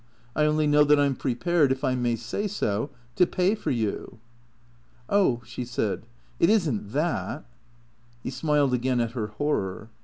I only know that I 'm prepared, if I may say so, to pay for you." " Oh," she said, " it is n't that." He smiled again at her horror.